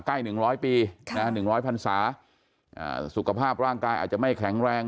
ใกล้หนึ่งร้อยปีค่ะหนึ่งร้อยพรรษาอ่าสุขภาพร่างกายอาจจะไม่แข็งแรง